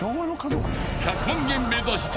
［１００万円目指して］